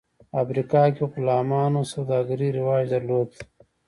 افریقا کې غلامانو سوداګري رواج درلود.